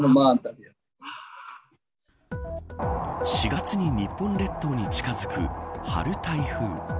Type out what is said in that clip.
４月に日本列島に近づく春台風。